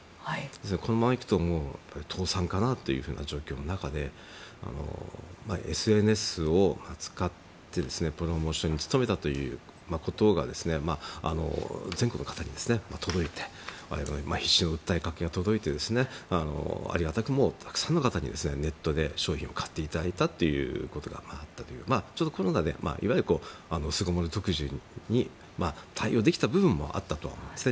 このままいくと倒産かなというふうな状況の中でＳＮＳを使ってプロモーションに努めたことが全国の方に届いて我々の必死の訴えかけが届いてありがたくもたくさんの方にネットで商品を買っていただいたということがあったりちょうどコロナでいわゆる巣ごもり特需に対応できた部分もあったとは思いますね。